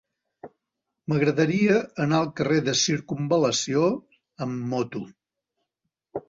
M'agradaria anar al carrer de Circumval·lació amb moto.